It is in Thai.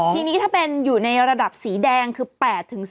ทีนี้ถ้าเป็นอยู่ในระดับสีแดงคือ๘๔